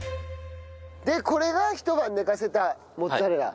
でこれが一晩寝かせたモッツァレラ。